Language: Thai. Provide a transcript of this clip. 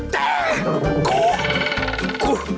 แต่กูกู